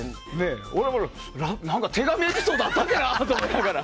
俺も何か手紙のエピソードあったっけかなって思いながら。